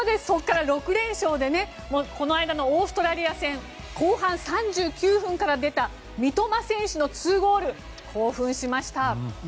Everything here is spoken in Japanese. そこから６連勝でこの間のオーストラリア戦後半３９分から出た三笘選手の２ゴール興奮しました。